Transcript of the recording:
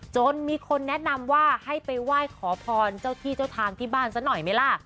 จนมีคนแนะนำว่าให้ไปไหว้ขอพรเจ้าที่เจ้าทางที่บ้านซะหน่อยไหมล่ะ